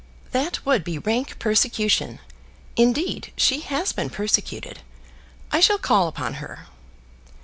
"That would be rank persecution. Indeed, she has been persecuted. I shall call upon her."